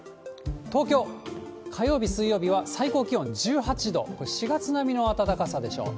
東京、火曜日、水曜日は最高気温１８度、これ、４月並みの暖かさでしょう。